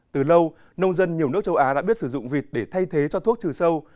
từ lâu nông dân nhiều nước châu á đã biết sử dụng vịt để thay thế cho thuốc trừ sâu